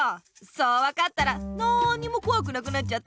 そうわかったらなんにもこわくなくなっちゃった！